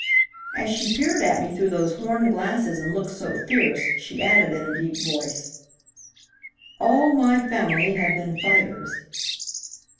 "As she peered at me through those horned glasses and looked so fierce, she added in a deep voice: "'All my family have been fighters."